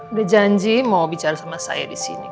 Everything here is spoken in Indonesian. udah janji mau bicara sama saya di sini